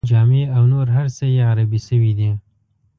جامې او نور هر څه یې عربي شوي دي.